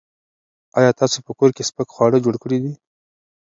ایا تاسو په کور کې سپک خواړه جوړ کړي دي؟